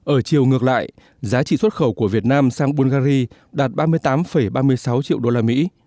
ở chiều ngược lại giá trị xuất khẩu của việt nam sang bulgari đạt ba mươi tám ba mươi sáu triệu đô la mỹ